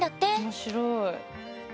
面白い。